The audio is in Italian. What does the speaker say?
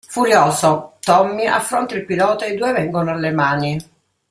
Furioso, Tommy affronta il pilota e i due vengono alle mani.